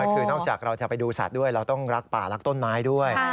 คือนอกจากเราจะไปดูสัตว์ด้วยเราต้องรักป่ารักต้นไม้ด้วย